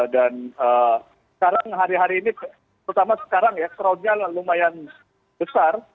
dan sekarang hari hari ini terutama sekarang ya crowdnya lumayan besar